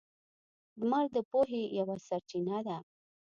• لمر د پوهې یوه سرچینه ده.